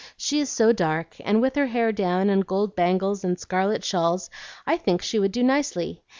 She is so dark, and with her hair down, and gold bangles and scarlet shawls, I think she would do nicely.